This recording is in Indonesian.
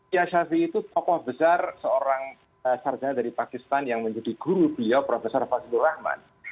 syafi'i itu tokoh besar seorang sarjana dari pakistan yang menjadi guru beliau prof fazlur rahman